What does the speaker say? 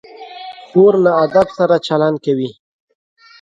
خور له ادب سره چلند کوي.